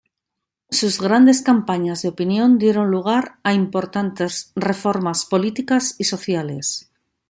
Sus grandes campañas de opinión dieron lugar a importantes reformas políticas y sociales.